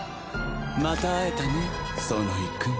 また会えたねソノイくん。